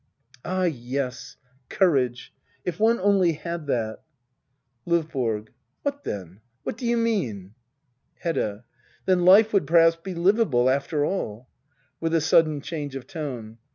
Ah yes — courage ! If one only had that ! LdVBORO. What then ? What do'you mean ? Hedda. Then life would perhaps be liveable, after all. [ Wiik a sudden cftange of tone.